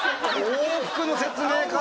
往復の説明から？